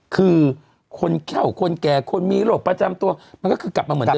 คือคนเข้าคนแก่คนมีโรคประจำตัวมันก็คือกลับมาเหมือนเดิ